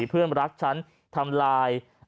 เพื่อนรักฉันทำลาย